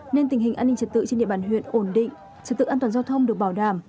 nên tình hình an ninh trật tự trên địa bàn huyện ổn định trật tự an toàn giao thông được bảo đảm